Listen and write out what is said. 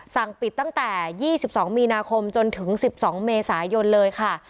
สั่งปิดตั้งแต่๒๒มีนาคมจนถึง๑๒เมษายนเลยค่ะ